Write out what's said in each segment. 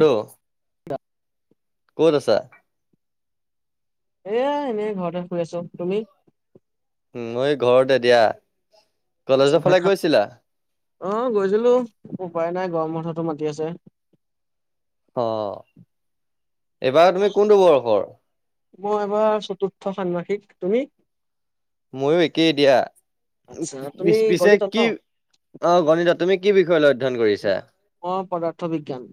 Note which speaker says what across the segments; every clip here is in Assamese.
Speaker 1: দ
Speaker 2: [unintelligible]
Speaker 1: ক'ত আছা?
Speaker 2: এ এনেই ঘৰতে শুই আছো, তুমি?
Speaker 1: উম, এই ঘৰতে দিয়া।
Speaker 2: আচ্ছা
Speaker 1: কলেজৰ
Speaker 2: ভাত
Speaker 1: ফালে
Speaker 2: খালা?
Speaker 1: গৈছিলা?
Speaker 2: অ', গৈছিলো। উপায় নাই, গৰম বন্ধটো মাতি আছে।
Speaker 1: অ', এইবাৰ তুমি কোনটো বয়সৰ?
Speaker 2: মই এইবাৰ চতুৰ্থ ষান্মাসিক, তুমি?
Speaker 1: ময়ো একেই দিয়া।
Speaker 2: আচ্ছা তুমি
Speaker 1: [unintelligible] পিছে
Speaker 2: গণিতত ন
Speaker 1: কি অ', গণিতত! তুমি কি বিষয় লৈ অধ্যয়ন কৰিছা?
Speaker 2: মই পদাৰ্থ বিজ্ঞান।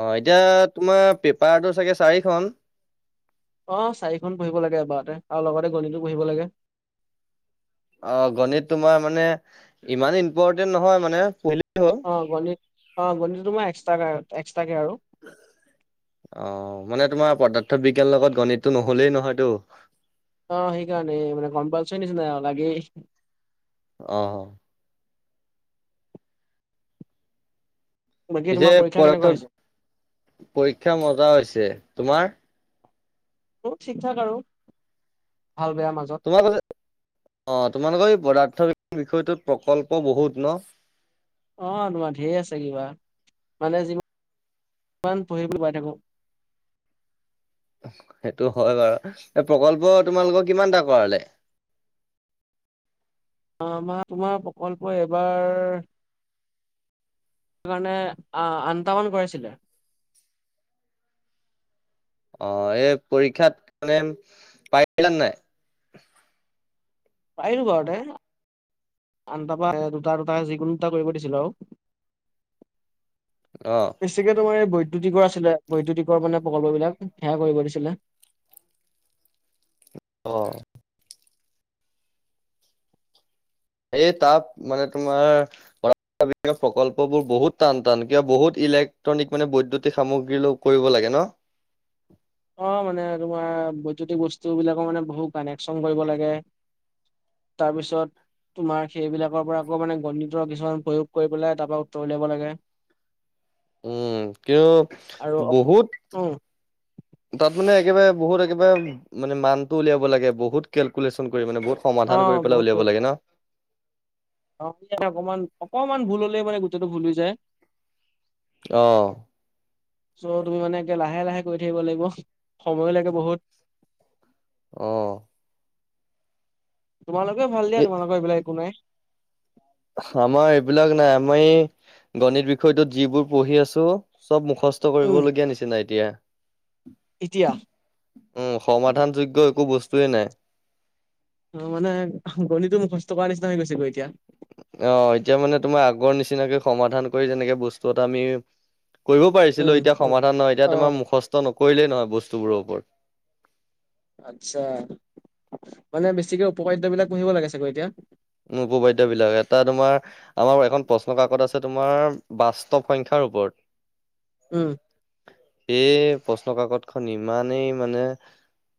Speaker 1: অ', এতিয়া তোমাৰ পেপাৰটো চাগে চাৰিখন?
Speaker 2: অ', চাৰিখন পঢ়িব লাগে এবাৰতে, আৰু লগতে গণিতো পঢ়িব লাগে।
Speaker 1: অ', গণিত তোমাৰ মানে ইমান ইম্পৰ্টেণ্ট নহয় মানে হ'ল।
Speaker 2: অঁ গণিত অঁ গণিতটো মই এক্সট্ৰাকে এক্সট্ৰাকে আৰু।
Speaker 1: অ মানে তোমাৰ পদাৰ্থ বিজ্ঞানৰ লগত গণিতটো নহলেই নহয়তো।
Speaker 2: অ সেইকাৰণে মানে কম্পালচৰী নিচিাই লাগে।
Speaker 1: [unintelligible]
Speaker 2: বাকী
Speaker 1: পিছে
Speaker 2: তোমাৰ পৰীক্ষা কেনেকুৱা হৈছে
Speaker 1: পৰীক্ষা মজা হৈছে তোমাৰ?
Speaker 2: মোৰ ঠিক ঠাক আৰু ভাল বেয়াাৰ মাজত।
Speaker 1: তোমাল অ তোমালোকৰ এই পদাৰ্থ বি বিষয়টোত প্ৰকল্প বহুত ন?
Speaker 2: অ তোমাৰ ধেৰ আছে কিবা মানে যিমান পঢ়ি পাই থাকো।
Speaker 1: সেইটো হয় বাৰু এই প্ৰকল্প তোমালোকৰ কিমানটা কৰালে?
Speaker 2: অ আমাৰ তোমাৰ প্ৰকল্প এবাৰ। সেইকাৰণে আঠটামান কৰাইছিলে।
Speaker 1: অ এই পৰীক্ষাত মানে পাৰিলানে নাই?
Speaker 2: পাৰিলো ঘৰতে আনটাৰ পৰা দুটা দুটা যিকোনো দুটা কৰিব দিছিলো আৰু। [unintelligible]
Speaker 1: অ
Speaker 2: বেছিকে তোমাৰ এই বৈদ্যুতিকৰ আছিলে বৈদ্যুতিকৰ মানে প্ৰকল্পবিলাক সেয়া কৰিব দিছিলে।
Speaker 1: হয় এই তাপ মানে তোমাৰ। প্ৰকল্পবোৰ বহুত টান-টান! কিয়, বহুত ইলেক্ট্ৰনিক মানে, বৈদ্যুতিক সামগ্ৰী ল কৰিব লাগে ন?
Speaker 2: অ মানে তোমাৰ বৈদ্যুতিক বস্তু বিলাকৰ মানে বহুত কানেকচন কৰিব লাগে। তাৰ পিছত? তোমাৰ সেইবিলাকৰ পৰা আকৌ মানে গণিতৰ কিছুমান প্ৰয়োগ কৰি পেলাই তাৰ পৰা উত্তৰ উলিয়াব লাগে।
Speaker 1: উম কিয়
Speaker 2: আৰু অ
Speaker 1: বহুত। তাত মানে একেবাৰে বহুত একেবাৰে মানে মানটো উলিয়াব লাগে বহুত কেলকুলেশ্যন কৰি মানে বহুত।
Speaker 2: অ
Speaker 1: সমাধান কৰি পেলাই উলিয়াব লাগে ন?
Speaker 2: অ অকমান অকমান ভুল হলে মানে গোটেইটো ভুল হৈ যায়।
Speaker 1: অ
Speaker 2: চ' তুমি মানে একে লাহে লাহে কৰি থাকিব লাগিব সময়ো লাগে বহুত।
Speaker 1: অ
Speaker 2: তোমালোকে ভাল দিয়া
Speaker 1: এ
Speaker 2: তোমোকৰ এইবিলাক একো নাই।
Speaker 1: আমাৰ এইবিলাক নাই, আমি গণিত বিষয়টোত যিবোৰ পঢ়ি আছোঁ! চব মুখস্থ। কষ্ট
Speaker 2: উম
Speaker 1: কৰিবলগীয়া নিচিনাই এতিয়া।
Speaker 2: এতিয়া
Speaker 1: উম, সমাধান যোগ্য একো বস্তুয়েই নাই।
Speaker 2: অ', মানে গণিতো মুখস্ত কৰাৰ নিচিনা হৈ গৈছেগৈ এতিয়া।
Speaker 1: অ', এতিয়া মানে তোমাৰ আগৰ নিচিনাকৈ সমাধান কৰি যেনেকে বস্তু এটা আমি কৰিব পাৰিছিলো
Speaker 2: উম
Speaker 1: এতিয়া
Speaker 2: অ
Speaker 1: সমাধান নহয় এতিয়া তোমাৰ
Speaker 2: অ'
Speaker 1: মুখস্থ নকৰিলেই নহয় বস্তুবোৰৰ ওপৰত।
Speaker 2: আচ্ছা মানে বেছিকে উপকাদ্য বিলাক পঢ়িব লাগে চাগৈ এতিয়া।
Speaker 1: উম, উপবাদ্য বিলাক এটা তোমাৰ আমাৰ এখন প্ৰশ্ন কাকত আছে তোমাৰ বাস্তৱ সংখ্যাৰ ওপৰত।
Speaker 2: উম,
Speaker 1: এই প্ৰশ্ন কাকত খন ইমানেই মানে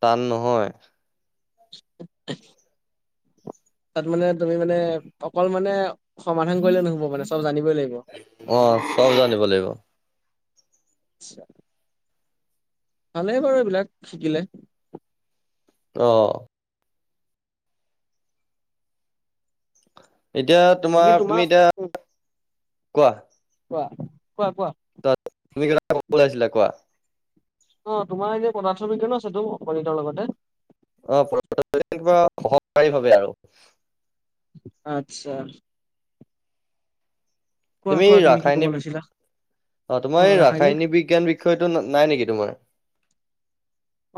Speaker 1: টান নহয়
Speaker 2: [unintelligible] তাত মানে তুমি মানে অকল মানে সমাধান কৰিলে নুহব মানে চব জানিবই লাগিব।
Speaker 1: অ', চব জানিব লাগিব।
Speaker 2: চা ভালেই বাৰু এইবিলাক শিকিলে
Speaker 1: অ', এতিয়া
Speaker 2: বাকী
Speaker 1: তোমাৰ তুমি এতিয়া
Speaker 2: উম,
Speaker 1: কোৱা
Speaker 2: কোৱা - কোৱা - কোৱা
Speaker 1: তুমি! ! ! ! ! ! ! ! ! ! কব উলাইছিলা কোৱা
Speaker 2: অ', তোমাৰ এ যে প্ৰডাকচন [unintelligible] গণিতৰ লগতে।
Speaker 1: অ', [unintelligible] কিবা সহকাৰী ভাৱে আৰু।
Speaker 2: আচ্ছা। কোৱা
Speaker 1: তুমি
Speaker 2: কোৱা কি ক'ব
Speaker 1: ৰাসায়নিক
Speaker 2: লৈছিলা
Speaker 1: অ, তোমাৰ এই ৰাসায়নিক বিজ্ঞান বিষয়টো নাই নেকি তোমাৰ?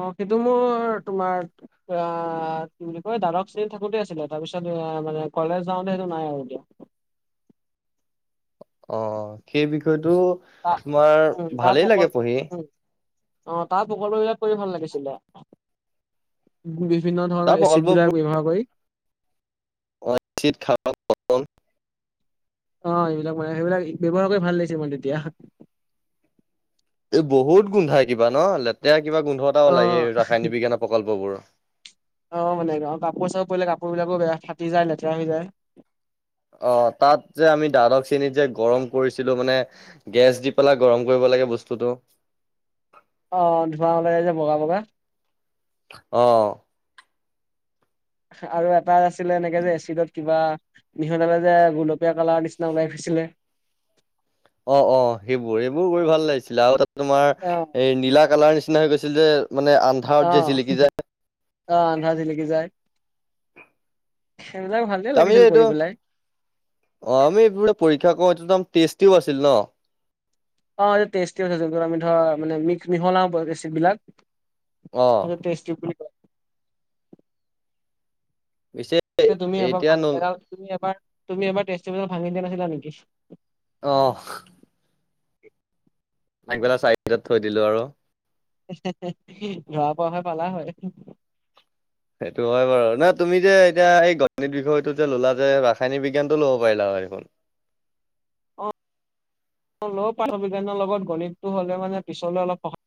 Speaker 2: অ', সেইটো মোৰ তোমাৰ অ', কি বুলি কয় দাদক চেনিত থাকোতে আছিলে তাৰপিছত মানে কলেজ যাওঁতে সেইটো নাই আৰু এতিয়া।
Speaker 1: অ', সেই বিষয়টো
Speaker 2: তা
Speaker 1: তোমাৰ
Speaker 2: উম তাৰ
Speaker 1: ভালেই
Speaker 2: প্ৰকল
Speaker 1: লাগে পঢ়ি।
Speaker 2: উম অ', তাৰ প্ৰকলপ বিলাক পঢ়ি ভাল লাগিছিলে। বিভিন্ন
Speaker 1: তাৰ
Speaker 2: ধৰণৰ এচিড
Speaker 1: প্ৰকল্পবোৰ
Speaker 2: বিলাক ব্যৱহাৰ কৰি
Speaker 1: [unintelligible]
Speaker 2: অ', এইবিলাক মানে সেইবিলাক ব্যৱহাৰ কৰি ভাল লাগিছে মানে তেতিয়া।
Speaker 1: এই বহুত গোন্ধাই কিবা ন' লেতেৰা কিবা গোন্ধ এটা
Speaker 2: অ
Speaker 1: ওলায়, এই ৰাসায়নিক বিজ্ঞানৰ প্ৰকল্প বোৰ।
Speaker 2: অ', মানে কাপোৰ চাপোৰ পৰিলে কাপোৰ বিলাকো বেয়া ফাটি যায় লেতেৰা হৈ যায়।
Speaker 1: অ', তাত যে আমি দ্বাদশ চেনিত যে গৰম কৰিছিলোঁ মানে। গেছ দি পেলাই গৰম কৰিব লাগে বস্তুটো।
Speaker 2: অ', ধোৱা ওলাই যে বগা বগা।
Speaker 1: অ',
Speaker 2: আৰু এটা আছিলে এনেকে যে এচিডত কিবা মিহলালে যে গোলপীয়া কালাৰ নিচিনা ওলাই ফোছিলে।
Speaker 1: অ' অ', সেইবোৰ এইবোৰ কৰি ভাল লাগিছিলে আৰু এটা তোমাৰ
Speaker 2: অ
Speaker 1: এই নীলা কালাৰ নিচি নিচিনা হৈ গৈছিল যে মানে আম
Speaker 2: অ', অ', আন্ধাৰত জিলিকি যায় সেইবিলাক ভাল
Speaker 1: তামি এইটো অ', আমি এই পৰীক্ষা কৰা এইটো নাম তেষ্টিও আছিল ন?
Speaker 2: অ', এই তেষ্টিও যোনটোত আমি ধৰা মানে মিক্স মিহলাও এচিড বিলাক।
Speaker 1: অ
Speaker 2: সেইটো টেষ্ট টিউব বুলি কয়।
Speaker 1: পিছে
Speaker 2: যে তুমি এবাৰ
Speaker 1: এতিয়া ন
Speaker 2: ভাঙি পেলাল তুমি এবাৰ, তুমি এবাৰ টেষ্ট টিউব দাল ভাঙি দিয়া নাছিলা নেকি?
Speaker 1: অ', ভাঙি পেলাই চাইডত থৈ দিলো আৰু।
Speaker 2: ধৰা পোৱা হৈ পালা হয়।
Speaker 1: সেইটো হয় বাৰু ন' তুমি যে এতিয়া এই গণিত বিষয়টো যে ল'লা যে ৰাসায়নিক বিজ্ঞানতটো ল'ব পাৰিলা হয় দেখোন।
Speaker 2: অ, [inaudible] বিজ্ঞানৰ লগত গণিতটো হ'লে মানে পিছলে অলপ স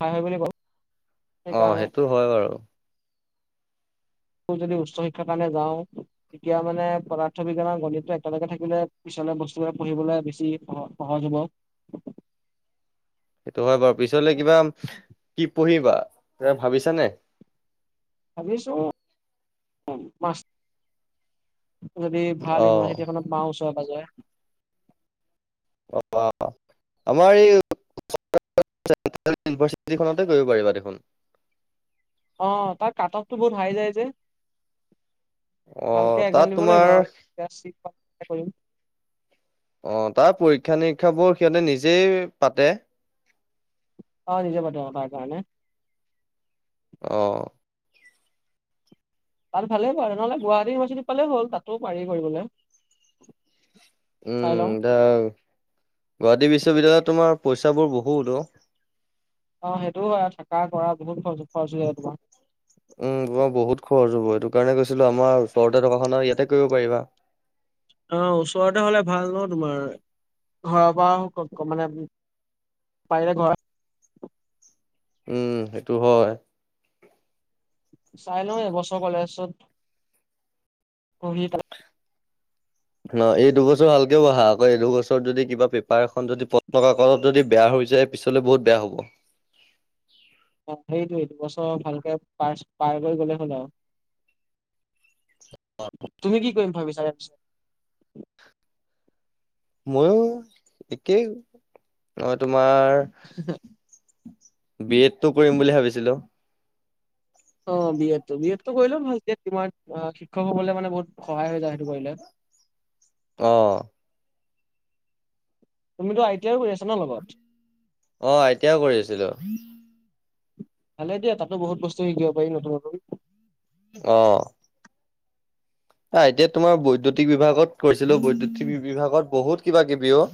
Speaker 2: হাই [inaudible]
Speaker 1: অ, সেইটো হয় বাৰু।
Speaker 2: যদি উচ্চ শিক্ষাৰ কাৰালে যাওঁ, তেতিয়া মানে পদাৰ্থ বিজ্ঞানৰ গণিতটো একেলগে থাকিলে পিছলে বস্তুব পঢ়িবলৈ বেছি সহ-সহজ হব।
Speaker 1: সেইটো হয় বাৰু পিছলে কিবা কি পঢ়িবা ভাবিছানে?
Speaker 2: ভাবিছোঁ [inaudible] যদি
Speaker 1: অ
Speaker 2: ভাল ইউনিভাৰ্চিটিখনত পাওঁ উচৰে পাজৰে।
Speaker 1: অ, আমাৰ এই [inaudible] [inaudible] ইউভাৰ্চিটিখনতে কৰিব পাৰিবা দেখোন।
Speaker 2: অ, তাৰ কাট অফ টো বহুত হাই যায় যে। ভালকে
Speaker 1: অ',
Speaker 2: একজাম
Speaker 1: তাত
Speaker 2: দিব লাগিব
Speaker 1: তোমাৰ
Speaker 2: আৰু [inaudible]
Speaker 1: অ, তাৰ পৰীক্ষা নিৰীক্ষাবোৰ সিহঁতে নিজেই পাতে।
Speaker 2: অ, নিজে পাতে অ, তাৰ কাৰণে।
Speaker 1: অ,
Speaker 2: তাত ভালেই পাৰে নহলেুৱাহাট ইনিভাৰ্চিটি পালে হ'ল তাতো পাৰি কৰিবলৈ। চাই
Speaker 1: উম,
Speaker 2: লওঁ
Speaker 1: দা গুৱাহাটী বিশ্ববিদ্যালয়ত তোমাৰ পইচা বোৰ বহুত অ,
Speaker 2: অ, সেইটোও হয় থাককা কৰা বহুত খৰচ খৰচ হৈ য তোমাৰ।
Speaker 1: উম, মই বহুত খৰচ হ'ব এইটো কাৰণে গৈছিলো আমাৰ ওচৰতে টকাখনৰ ইয়াতে কৰিব পাৰিবা।
Speaker 2: অ, ওচৰতে হ'লে ভাল ন তোমাৰ, ঘৰৰ পৰা মানে পাইলে ঘৰত
Speaker 1: উম, সেইটো হয়।
Speaker 2: চাই ল' এবছৰ কলেছত পঢ়ি পেলাই।
Speaker 1: ন এই দুবছৰ ভালকেও বহা আকৌ এই দুবছৰত যদি কিবা পেপাৰ এখন যদি পত্ন ক কত যদি বেয়া হৈ যায় পিছলৈ বহত বেয়া হ'ব।
Speaker 2: অ, সেইটোৱে দুবছৰ ভালকে পাৰ-পাৰ কৰি গলে হ'ল আৰু। তুমি কি কৰিম ভাবিছা?
Speaker 1: ময়ো একেই অ, তোমাৰ বি এড টো কৰিম বুলি ভাবিছিলো।
Speaker 2: অ, বি এড তো বি এড তটো কৰিলেও ভাল যে তোমাৰ শিক্ষক হবলে মানে বহুত সহায় হৈ যায় সেইটো কৰিলে।
Speaker 1: অ,
Speaker 2: তুমিতো আই টি আই ও কৰি আছা ন লগত?
Speaker 1: অ, আই টি আই ও কৰি আছিলো।
Speaker 2: ভালে দিয় তাতো বহুত বস্তু শিকিব পাৰি নতুন নতন।
Speaker 1: অ, আহ আই টি আইত তোমাৰ বৈদ্যুতিক বিভাগত কৈছিলো বৈদ্ুতিক বিভাগত বহুত কিবা কিবি অ,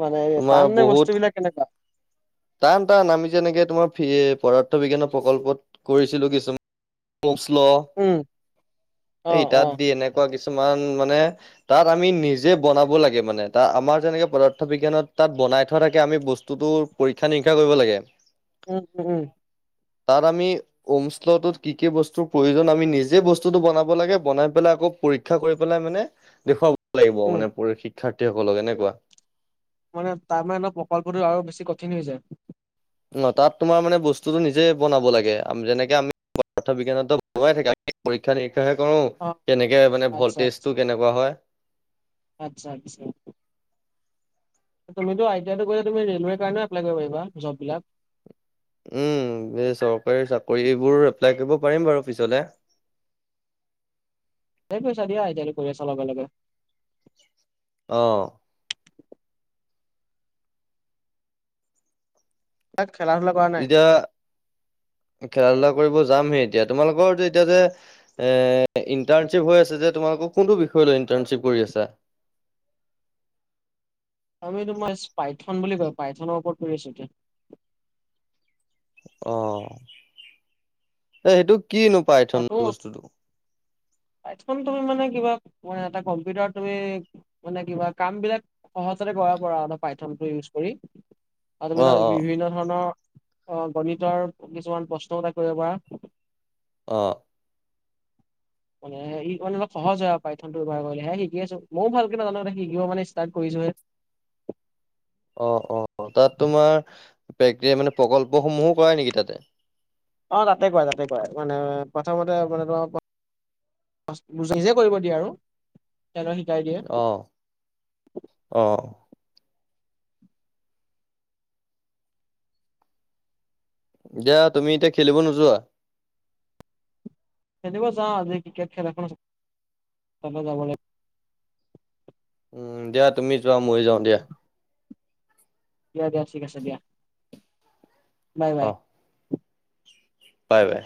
Speaker 2: মানে
Speaker 1: তোমাৰ
Speaker 2: টান নে বস্তু
Speaker 1: বহুত
Speaker 2: বিলাক কেনেকুৱা?
Speaker 1: টান টান আমি যেনেকে তোমাৰ পদাৰ্থ বিজ্ঞানৰ প্ৰকল্পত কৰিছিলো কিছুমান, ল'
Speaker 2: উম অ
Speaker 1: এই
Speaker 2: অ
Speaker 1: ইটাত দি এনেকুৱা কিছুমান মানে তাত আমি নিজে বনাব লাগে মানে ত আমাৰ যেনেকে পদাৰ্থ বিজ্ঞানত তাত বনাই থোৱা থাকে আমি বস্তুটোৰ পৰীক্ষা নিৰীক্ষা কৰিব লাগে।
Speaker 2: উম, উম,
Speaker 1: তাত আমি ওম শ্লটোত কি কি বস্তুৰ প্ৰয়োজন আমি নিজে বস্তুটো বনাব লাগে বনাই পেলাই আকৌ পৰীক্ষা কৰি পেলাই মানে, দেখুৱাব লাগিব
Speaker 2: উম
Speaker 1: মানে প শিক্ষাৰ্থীসকলক এনেকুৱা।
Speaker 2: মানে তাৰ মানে প্ৰকল্পটোো আৰু বেছি কঠিন হৈ যায়?
Speaker 1: ন তাত তোমাৰ মানে বস্তুতটো নিজে বনাব লাগে আ যেনেকে আমি [inaudible] বিজ্ঞানতো বনুৱাই থাকে। পৰীক্ষা নিৰীক্ষা হে কৰো
Speaker 2: অ
Speaker 1: কেনেকে মানে
Speaker 2: আচ্ছা
Speaker 1: ভল্টেজটো কেনেকুৱা হয়,
Speaker 2: আচ্ছা আচ্ছা। তুমিতটো আইডিয়াতটো কছ তুমি ৰেলৱৰ কাৰণে এপ্লাই কৰিব পাৰা জ'ব বিলাক।
Speaker 1: উম, এই চৰকাৰী চাকৰি এইবোৰ এপ্লাই কৰিব পাৰিম বাৰু পিছলে।
Speaker 2: সেই পইচাদিয়া এতিয়া পৰিয়াল চলাব লাগে।
Speaker 1: অ'।
Speaker 2: তাক খেলা ধূলা কৰা নাই
Speaker 1: এতিয়া খেলা ধুলা কৰিব যামহি এতিয়া, তোমালোকৰ যে এতিয়া যে এ, ইণ্টাৰ্ণশ্বিপ হৈ আছে যে তোমালোকৰ, কোনটো বিষয় লৈ ইণ্টাৰ্ণশ্বিপ কৰি আছা?
Speaker 2: আমি তোমাৰ স্পাইথন বুলি কয়, পাইথনৰ ওপৰত কৰি আছোঁ এতিয়া।
Speaker 1: অ'। এ, সেইটো কিনো? পাইথন
Speaker 2: তাতো
Speaker 1: বস্তুটো
Speaker 2: পাইথন তুমি মানে কিবা এ, কম্পিউটাৰত তুমি মানে কিবা কামবিলাক সহজতে কৰাবপৰা পাইথনটো ইউজ কৰি। আৰু তুমি ধৰা
Speaker 1: অ', অ',
Speaker 2: বিভিন্ন ধৰণৰ আ, গণিতৰ কিছুমান প্ৰশ্ন এটা কৰিব পাৰা।
Speaker 1: অ'।
Speaker 2: মানে ই মানে অল সহজ হয় আৰু পাইথনটো ব্যৱহাৰ কৰিলে হে শিকি আছো, ময়ো ভালকে নাজানো এতিয়া শিকিব মানে চেষ্টা কৰিছোহে।
Speaker 1: অ', অ' তাত তোমাৰ প্ৰেক্তেৰিয়া মানে প্ৰকল্পসমূহো কৰাই নেকি তাতে?
Speaker 2: অ' তাতে কৰাই তাতে কৰাই মানে প্ৰথমতে মানে তোমাৰ ফাষ্ট নিজে কৰিব দিয়ে আৰু। তেওঁলোকে শিকাই দিয়ে।
Speaker 1: অ', অ'। এতিয়া তুমি এতিয়া খেলিব নোযোৱা?
Speaker 2: খেলিব যাওঁ, আজি ক্ৰিকেট খেল এখন আছে তাতে যাব লাগিব।
Speaker 1: উম, দিয়া তুমি যোৱা, ময়ো যাওঁ দিয়া।
Speaker 2: দিয়া দিয়া ঠিক আছে দিয়া। বাই
Speaker 1: অ
Speaker 2: বাই।
Speaker 1: Bye bye.